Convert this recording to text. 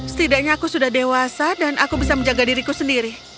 setidaknya aku sudah dewasa dan aku bisa menjaga diriku sendiri